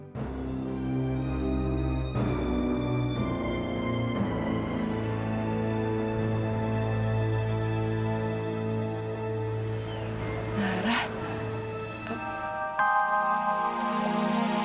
kau renownedlah sejarah awak apa inilah mahlukku